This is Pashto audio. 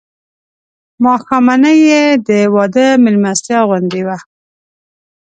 ماښامنۍ یې د واده مېلمستیا غوندې وه.